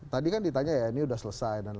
tadi kan ditanya ya ini sudah selesai